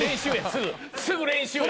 すぐ練習や。